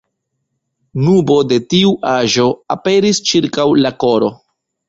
Nubo de tiu aĵo aperis ĉirkaŭ la koro.